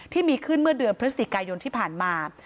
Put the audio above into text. ที่มีขึ้นเมื่อเดือนพฤศจิกายนที่ผ่านมา